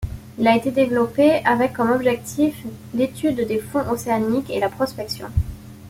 Il a été développé avec comme objectif l'étude des fonds océaniques et la prospection.